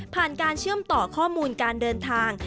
การเชื่อมต่อข้อมูลการเดินทาง